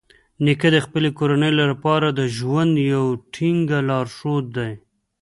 نیکه د خپلې کورنۍ لپاره د ژوند یوه ټینګه لارښونه ده.